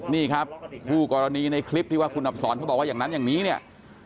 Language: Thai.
นี่ครับคู่กรณีในคลิปที่ว่าคุณอับสอนเขาบอกว่าอย่างนั้นอย่างนี้เนี่ย